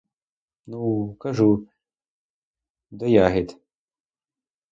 Ну, кажу, до ягід!